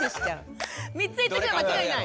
３つ言っておけば間違いない！